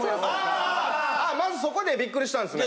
まずそこでびっくりしたんですね